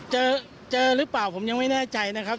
เจอเจอหรือเปล่าผมยังไม่แน่ใจนะครับ